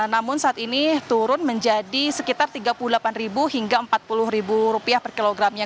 namun saat ini turun menjadi sekitar rp tiga puluh delapan hingga rp empat puluh per kilogramnya